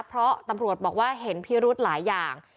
เพราะตำรวจบอกว่าเห็นพิรุธหลายอย่าง